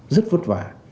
rất vất vả